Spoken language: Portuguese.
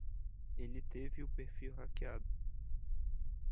Ele teve o perfil hackeado.